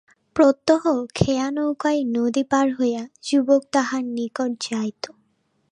প্রত্যহ খেয়া-নৌকায় নদী পার হইয়া যুবক তাহার নিকট যাইত।